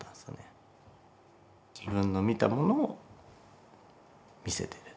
自分の見たものを見せてる。